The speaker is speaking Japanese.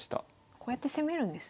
こうやって攻めるんですね。